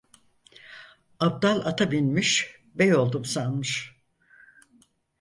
Abdal ata binmiş bey oldum sanmış.